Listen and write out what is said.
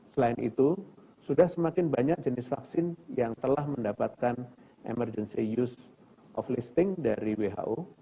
selain itu sudah semakin banyak jenis vaksin yang telah mendapatkan emergency use of listing dari who